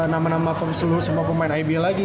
nama nama seluruh semua pemain ibl lagi